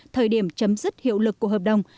thời điểm chấm dứt hiệu lực của hợp đồng